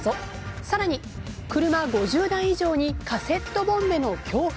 さらに車５０台以上にカセットボンベの恐怖。